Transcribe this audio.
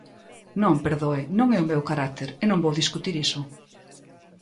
Non, perdoe, non é o meu carácter, e non vou discutir iso.